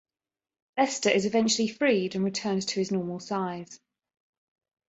Lester is eventually freed and returned to his normal size.